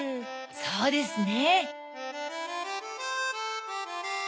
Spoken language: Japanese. そうですね。